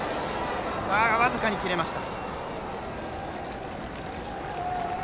僅かに切れました。